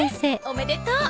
おめでとう！